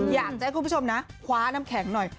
อยากจะให้คุณผู้ชมนะคว้าน้ำแข็งหน่อย